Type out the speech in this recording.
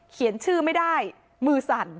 เขียนชื่อไม่ได้มือสั่น